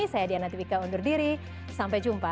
saya diana tipika undur diri sampai jumpa